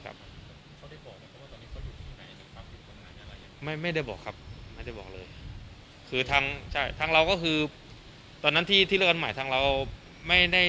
ใช่ครับไม่ได้บอกครับไม่ได้บอกเลยคือทางทางเราก็คือตอนนั้นที่ติดแล้วกันใหม่ทางเราไม่ได้